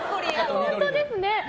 本当ですね。